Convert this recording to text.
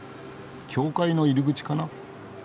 教会の入り口かな。